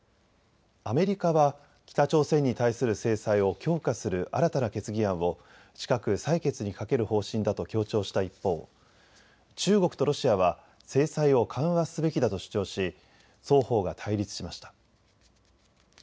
アメリカは北朝鮮に対する制裁を強化する新たな決議案を近く採決にかける方針だと強調した一方、中国とロシアは制裁を緩和すべきだと主張し双方が対立しました。